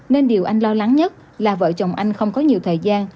nên điều anh lo lắng nhất là vợ chồng anh không có nhiều thời gian